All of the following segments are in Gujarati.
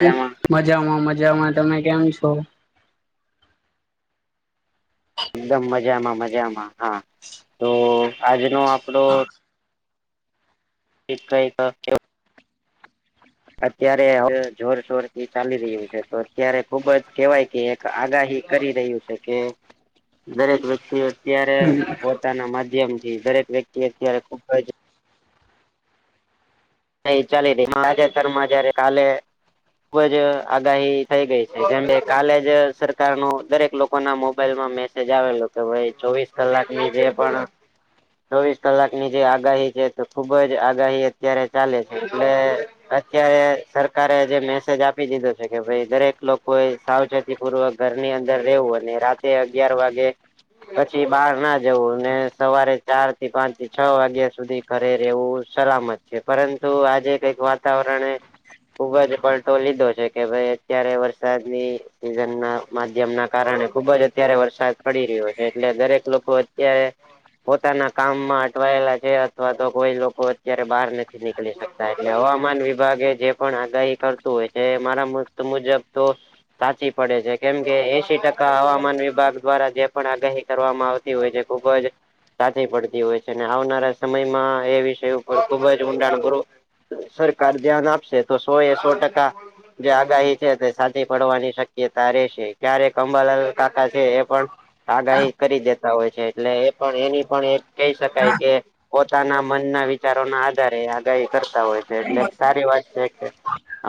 મજામાં મજામાં મજામાં તમે કેમ છો એકદમ મજામાં મજામાં હા તો આજનો આપડો [unintelligible] અત્યારે હવે જોરશોર થી ચાલી રહ્યું છે તો અત્યારે ખુબ જ કેવાય કે આગાહી કરી રહ્યું છે કે દરેક વ્યક્તિએ અત્યારે પોતાના માધ્યમ થી દરેક વ્યક્તિ અત્યારે ખુબજ [unintelligible] ચાલી રહી તાજેતર માં જયારે કાલે ખૂબ જ આગાહી થઈ ગઈ છે જેમ કે કાલે જ સરકારનું દરેક લોકોના મોબાઈલમાં મે સેજ આવેલો કે ભાઈ ચોવીસ કલાક ની જે પણ ચોવીસ કલાકની જે આગાહી છે તો ખુબ જ આગાહી અત્યારે ચાલે છે એટલે અત્યારે સરકારે જે મેસેજ આપી દીધો છે કે ભાઈ દરેક લોકોએ સાવચેતી પૂર્વ ઘરની અંદર રહેવું અને રાતે અગિયાર વાગે પછી બહાર ના જવું ને સવારે ચાર થી પાંચ થી છ વાગ્યા સુધી ઘરે રહેવું સલામત છે પરંતુ આજે કઈક વાતાવરણ ખુબ જ પલટો લીધો છે કે ભાઈ અત્યારે વરસાદની સિઝન ના માધ્યમ ના કારણે ખુબ જ અત્યારે વરસાદ પડી રહ્યો છે એટલે દરેક લોકો અત્યારે પોતાના કામમાં અટવાયેલા છે અથવા તો કોઈ લોકો અત્યારે બહાર નથી નીકળી શકતા એટલે હવામાન વિભાગે જે પણ આગાહી કરતું હોય છે મારા મત મુજબ તો સાચી પડે છે કેમકે એશી ટકા હવામાન વિભાગ દ્વારા જે પણ આગાહી કરવામાં આવતી હોય છે ખુબ જ સાચી પડતી હોય છે અને આવનારા સમયમાં એ વિષય ઉપર ખુબ જ [unintelligible] સરકાર ધ્યાન આપશે તો સો એ સો ટકા જે આગાહી છે તે સાચી પડવાની શક્યતા રહેશે ક્યારે કંબલાલ કાકા છે, એ પણ આગાહી કરી દેતા હોય છે, એટલે એ પણ એની પણ એ કહી શકાય કે પોતાના મનના વિચારો ના આધારે આગાહી કરતા હોય છે, એટલે સારી વાત છે કે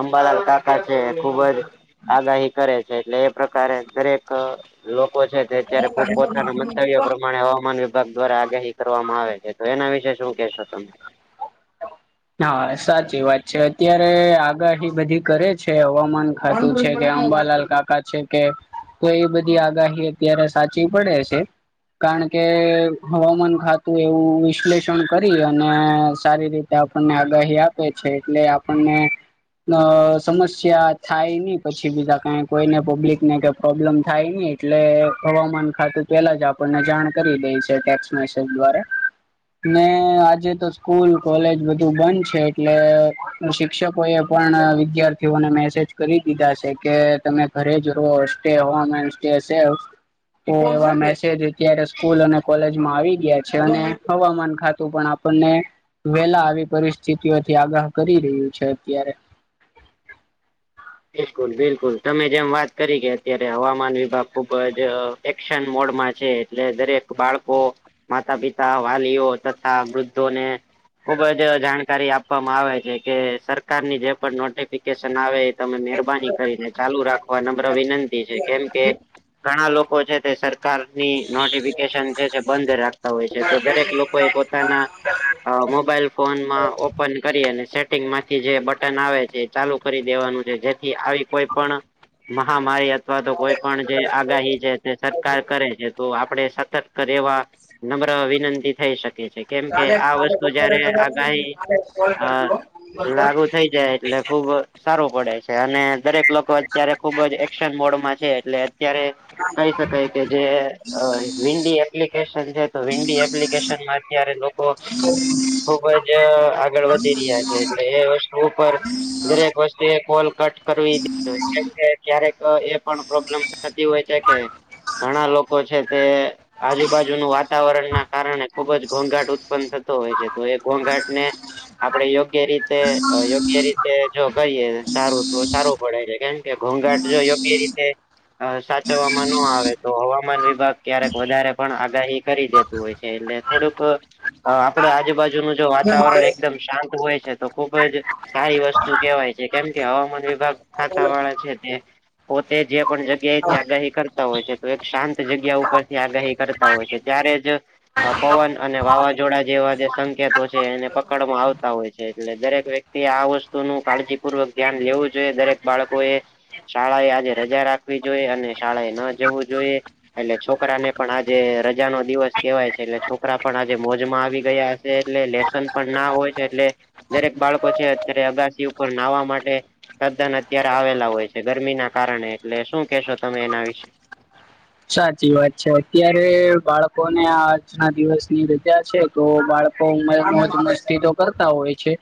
અંબાલાલ કાકા છે, ખુબ જ આગાહી કરે છે એટલે એ પ્રકારે દરેક લોકો છે. અત્યારે ખુબ પોતાના મંતવ્ય પ્રમાણે હવામાન વિભાગ વિભાગ દ્વારા આગાહી કરવામાં આવે છે, તો એના વિશે શું કેહેશો તમે હા સાચી વાત છે અત્યારે આગાહી બધી કરે છે હવામાન ખાતું છે, કે અંબાલાલ કાકા છે કે તો એ બધી આગાહી અત્યારે સાચી પડે છે. કારણ કે હવામાન ખાતું એવું વિશ્લેષણ કરી અને સારી રીતે આપણને આગાહી આપે છે, એટલે આપણને અ સમસ્યા થાય નહી પછી બીધા કઈ કોઈને પબ્લિક ને ક પ્રોબ્લેમ થાય નને એટલે હવામાન ખાતું પેલા જ આપણને જાણ કરી દે છે, ટેક્સ મેસેજ દ્વારા આજે તો સ્કૂલ કોલેજ બધ બંધ છે, એટલે શિક્ષકો એ પણ વિદ્યાર્થીઓને મેસેજ કરી દીધા છે, કે તમે ઘરે જ રહો સ્ટે હવાન સ્ટે એવા મેસેજ અત્યારે સ્કૂલ અને કોલેજમાં આવી ગયા છે, અને હવામાન ખાતું પણ આપણને વેલા આવી પરિસ્થિતિઓથી આગાહ કરી રહ્યું છે, અત્યારે બિલકુલ બિલકુલ તમે જેમ વાત કરી કે અત્યારે હવામાન વિભાગ ખુબજ એક્શન મોડમાં છે, એટલે દરેક બાળકો માતા પિતા વાલીઓ તથા વૃદ્ધોને ખુબ જ જાણકારી આપવામાં આવે છે, કે સરકારની જે પણ નોટિફિકેશન આવે તમે મહેરબાની કરીને ચાલુ રાખવા નમ્ર વિનંતી છે, કેમ કે ઘણા લોકો છે, તે સર કારની નોટિફિકેશન જે છે, બંધ રાખતા હોય છે તો દરેક લોકો એ પોતાના અ મોબાઈલ ફોનમાં ઓપન કરી અને સેટિંગ માંથી જે બટન આવે છે, એ ચાલુ કરી દેવાનું છ. છે, જેથી આવી કોઈ પણ મહામારી અથવા તો કોઈ પણ જે આગાહી છે તે સરકાર કરે છે, તો આપણેે સતર્ક રહેેવા નમ્ર વિનંતી થઈ શકે છે. કેમ કે આ વસ્તુ જયારે, આગાહી આ લાગુ થઈ જાય એટલે ખુબ સારું પડે છે અને દરેક લોકો અત્યારે ખુબ જ એક્શન મોડમાં છે, એટલે અત્યારે કહી શકાય કે જે અ વિંડી એપ્લિકેશન છે, તો વિન્ડી એપ્લિકેશનમાં અત્યારે લોકો. ખુબ જ આગળ વધી રહ્યા છે, એટલે એ વસ્તુ ઉપર દરેક વસ્તુ એ કોલ કટ કરવી એટલે ક્યારેક એ પણ પ્રોબ્લેમ થતી હોય છે, કે ઘણા લોકો છે, તે આજુબાજુનું વાતાવરણ ના કારણે ખુબ જ ઘોંઘાટ ઉત્પન્ન થતો હોય છે, તો એ ઘોંઘાટ ને આપડે યોગ્ય રીતે યોગ્ય રીતે જો કંઈએ તો સારુ તો સારું પડે છે, કેમ કે ઘોંઘાટ જો યોગ્ય રીતે અ સાચવવામાં ન આવે તો હવામાન વિભાગ ક્યારેક વધારે પણ આગાહી કરી દેતું હોય છે, એટલે થોડુંક આપડ આજુબાજુનું જો વાતાવરણ એકદમ શાંત હોય છે. તો ખુબ જ સારી વસ્તુ કેવાય છે, કેમ કે હવામાન વિભાગ ખાતા વાળા છે તે પોતે જે પણ જગ્યાથી આગાહી કરતા હોય છે, તો એક શાંત જગ્યા ઉપર થી આગાહી કર તા હોય છે, ત્યારે જ અ પવન અને વાવાઝોડા જેવા જે સંકેતો છે એને પકડમાં આવતા હોય છે, એટલે દરેક વ્યક તે આ વસ્તુ નું કાળજીપૂર્વક ધ્યાન લેવું જોઈએ દરેક બાળકો એ શાળાએ આજે રજા રાખવી જોઈએ અને શાળાએ ન જવું જોઈએ. એટલે છોકરા ને પણ આજે રજા નો દિવસ કેવાય છે એટલે છોકરા પણ આજે મોજમાં આવી ગયા. એટલે લેશન પણ ના હોય છે એટલે દરેક બાળકો છે, અત્યારે અગાસી ઉપર નાવા માટે તદ્દન અત્યારે આવેલા હોય છે, ગરમી ના કારણે એટલે શું કેહેશો તમે એના વિશ સાચી વાત છે અત્યારે બાળકો ને આજના દિવસ ની રજા છે તો બાળકો મ મોજ મસ્તી તો કરતા હોય છે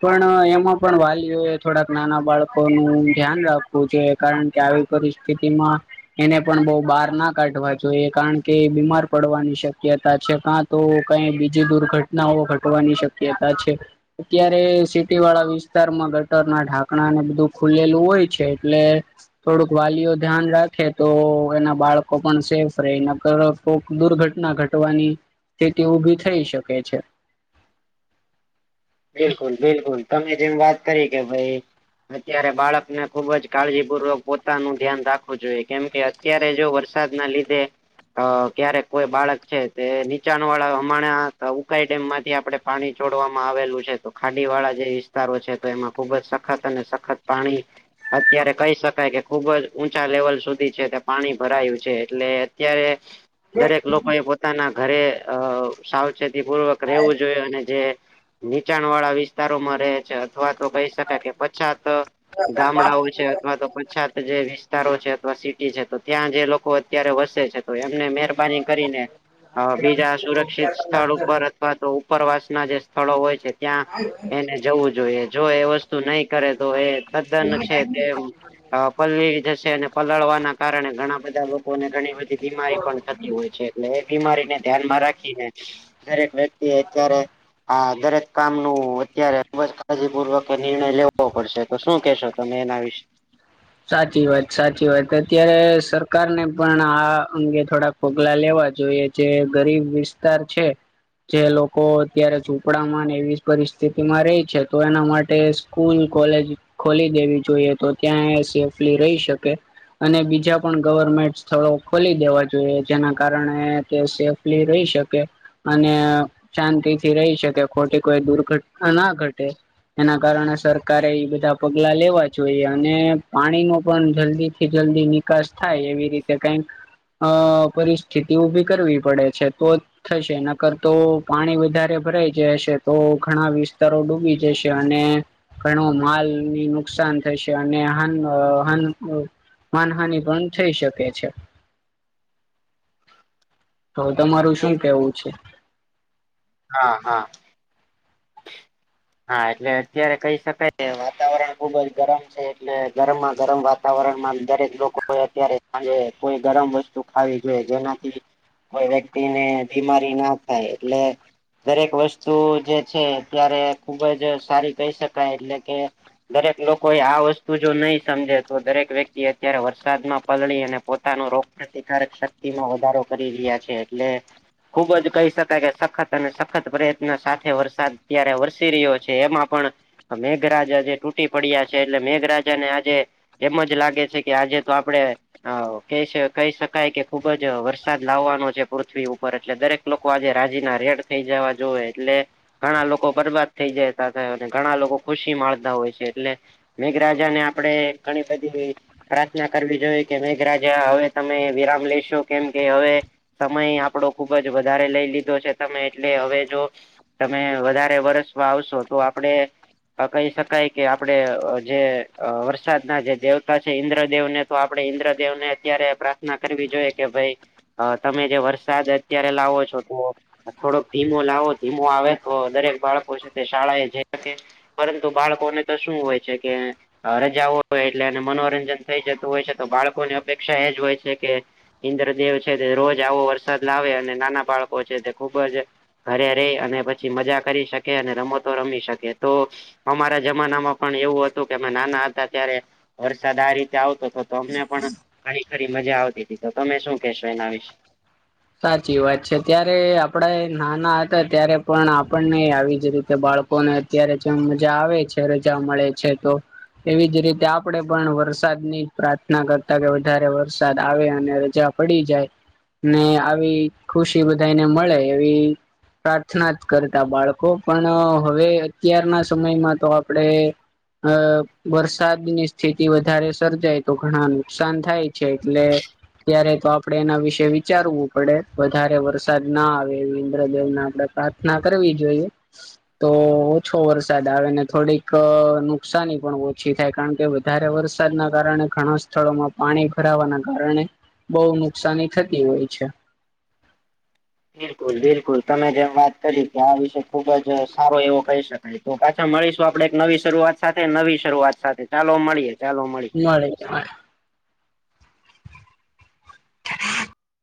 પણ એમાં પણ વાલીઓ એ થોડાક નાના બાળકોનું ધ્યાન રાખવું છે કારણ કે આવી પરિસ્થિતિમાં એને પણ બઉ બાર ના કાઢવા જોઈએ કારણ કે બીમાર પડવાની શક્યતા છે કાં તો કઈ બીજી દૂરઘટ ઘટનાઓ ઘટવાની શક્યતા છે અત્યારે સિટી વાળા વિસ્તારમાં ગટર ના ઢાંકણા ને બધું ખુલેલું હોય છે એટલે થોડુંક વાલીઓ ધ્યાન રાખે તો એના બાળક કો પણ સેફ રે નકર કોક દુર્ઘટના ઘટવાની સ્થિતિ ઊભી થઇ શકે છે બિલકુલ બિલકુલ તમે જેમ વાત કરી કે ભઈ અત્યારે બાળકને ખુબ જ કાળજીપૂર્વક પોતાનું ધ્યાન રાખવું જોઈએ કેમકે અત્યારે જો વરસાદ ના લીધે અ ક્યારેક કોઈ બાળક છે તે નીચાણ વાળા હમાણા ઉકાઈ ડેમ માંથી આપડે પાણી છોડવામાં આવેલું છ છે તો ખાડી વાળા જે વિસ્તારો છે તો એમાં ખુબ જ સખત અને સખત પાણી અત્યારે કહી શકાય કે ખુબ જ ઊંચા લેવલ સુધી છે તે પાણી ભરાયું છે એટલે અત્યારે દરેક લોકો એ પોતાના ઘરે અ સાવચેતી પૂર્વક રહેવું જોઈએ અને જે નીચાણ વાળા વિસ્તારોમાં રહે છે અથવા તો કહી શકાય કે પછાત ગામડાઓ છે અથવા તો પછાત જે વિસ્તારો છે અથવા સિટી છે તો ત્યાં જે લોકો અત્યારે વસે છે તો એમને મહેરબાની કરીને બીજા સુરક્ષિત સ્થળ ઉપર અથવા તો ઉપરવાસ ના જે સ્થળો હોય છે ત્યાં એને જવું જોઈએ જો એ વસ્તુ નહી કરે તો એ તદ્દન છે તે અ પલળી જશે અને પલળવાના કારણે ઘણા બધા લોકોને ઘણી બધી બીમારી પણ થતી હોય છે એટલે એ બીમારીને ધ્યાનમાં રાખીને દરેક વ્યક્તિ અત્યારે આ દરેક કામ નું અત્યારે ખૂબ જ કાળજીપૂર્વક નિર્ણય લેવો પડશે તો શું કેશો અને એના વિશે સાચી વાત સાચી વાત અત્યારે સરકારને પણ આ અંગે થોડાક પગલા લેવા જોઈએ જે ગરીબ વિસ્તાર છે જે લોકો અત્યારે ઝૂપડામાં એવી પરિસ્થિતિ માં રહી છે તો એના માટે સ્કૂલ કોલેજ ખોલી દેવી જોઈએ તો ત્યાં સેફલી રહી શકે અને બીજા પણ ગવર્મેન્ટ સ્થળો ખોલી દેવા જોઈએ જેના કારણે તે સે એ રહી શકે અને શાંતિથી રહી શકે ખોટી કોઈ દુર્ઘટના ના ઘટે એના કારણે સરકારે એ બધા પગલા લેવા જોઈએ અને પાણી નું પણ જલ્દી થી જલ્દી નિકાસ થાય એવી રીતે કઈક અ પરિસ્થિતિ ઊભી કરવી પડે છે તો થશે નકર તો પાણી વધારે ભરાઈ જ હશે તો ઘણા વિસ્તારો ડૂબી જશે અને ઘણો માલ ની નુકસાન થશે અને માન માન માનહાની પણ થઈ શકે છે તો તમારું શું કેવું છે હા હા હા એટલે અત્યારે કહી શકાય વાતાવરણ ખુબ જ ગરમ છે એટલે ગરમમાં ગરમ વા વાતાવરણમાં દરેક લોકો એ અત્યારે સાંજે કોઈ ગરમ વસ્તુ ખાવી જોઈએ જેનાથી કોઈ વ્યક્તિ ને બીમારી ના થાય એટલે દરેક વસ્તુ જે છે અત્યારે ખુબ જ સારી કહી શકાય એટલે કે દરેક લોકો એ આ વસ્તુ જો નહી સમજે તો દરેક વ્યક્તિ અત્યારે વરસાદમાં પલળી અને પોતાનું રો પ્રતિકારક શક્તિમાં વધારો કરી રહ્યા છે એટલે ખુબ જ કહી શકાય કે સખત અને સખત પ્રયત્ન સાથે વરસાદ ત્યારે વર વરસી રીઓ છે એમાં પણ મેઘરાજા જે તૂટી પડ્યા છે એટલે મેઘરાજા ને આજે એમ જ લાગે છે કે આજે તો આપણે હ ક કહી શકાય કે ખુબ જ વરસાદ લાવવાનો છે પૃથ્વી ઉપર એટલે દરેક લોકો આજે રાજીના રેડ થઈ જવા જોવેએ એટલે ઘણા લોકો બરબાદ થઇ જતા થ અને ઘણા લોકો ખુશી માણતા હોય છે એટલે મેઘરાજાને આપણેે ઘણી બધી પ્રાર્થના કરવી જોઈએ કે મેઘરાજા હવે તમે વિરામ લઈશો કેમ કે હવે સમય આપડો ખુબ જ વધારે લઈ લીધો છે તમે એટલે હવે જો તમે વધારે વર્ષમાં આવશો તો આપડે કહી શકાય કે આપડે જે વરસાદના જે દેવતા છે ઈન્દ્રદેવને તો આપડે ઈન્દ્રદેવને અત્યારે પ્રાર્થના કરવી જોઈએ કે ભાઈ અ તમે જે વરસાદ અત્યારે લાવો છો તો થોડોક ધીમો લાવો ધીમો આવે તો દરેક બાળકો છે તે શાળા એ જઈ શકે પરંતુ બાળકોને તો શું હોય છે કે રજા હોય એટલે અને મનોરંજન થઈ જતું હોય છે તો બાળકોની અપેક્ષા એજ હોય છે કે ઇન્દ્રદેવ છે તે રોજ આવો વરસાદ લાવે અને નાના બાળકો છે તે ખૂબ જ ઘરે રહી અને પછી મજા કરી શકે અને રમતો રમી શકે તો અમારા જમાનામાં પણ એવું હતું કે અમે નાના હતા ત્યારે વરસાદ આ રીતે આવતો હતો તો અમને પણ ખરી ખરી મજા આવતી હતી તો તમે શું કેહેશો એના વિશે સાચી વાત છે ત્યારે આપડા નાના હતા ત્યારે પણ આપણને આવી જ રીતે બાળકોને અત્યારે જેમ મજા આવે છે રજા મળે છે તો એવી જ રીતે આપડે પણ વરસાદ ની પ્રાર્થના કરતા કે વધારે વરસાદ આવે અને રજા પડી જાય ને આવી ખુશી બધાને મળે એવી પ્રાર્થના જ કરતા બાળકો પણ હવે અત્યારના સમયમાં તો આપણે અ વરસાદની સ્થિતિ વધારે સર્જાય તો ઘણા નુકસાન થાય છે એટલે અ્યારે તો આપડે એના વિશે વિચારવું આપડે વધારે વરસાદ ના આવે એ ઇન્દ્રદેવને આપડણે પ્રાર્થના કરવી જોઈએ તો ઓછો વરસાદ આવેને થોડીક નુકસાની પણ ઓછી થાય કારણ કે વધારે વરસાદના કારણે ઘણા સ્થળોમાં પાણી ભરાવાના કારણે બહુ નુકસાની થતી હોય છે બિલકુલ બિલકુલ તમે જેમ વાત કરી કે આ વિષ ખુબ જ સારો એવો કહી શકાય તો પાછા મળીશું આપડે એક નવી શરૂઆત સાથે નવી શરૂઆત સાથે ચાલો મળીએ ચાલો મળીએ મળી